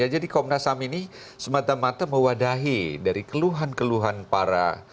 jadi komnas ham ini semata mata mewadahi dari keluhan keluhan para